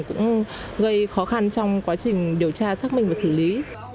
cũng gây khó khăn trong quá trình điều tra xác minh và xử lý